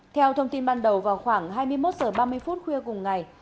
theo thông tin ban đầu vào khoảng hai mươi một h ba mươi phút khuya cùng ngày